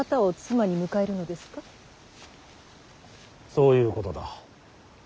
そういうことだ。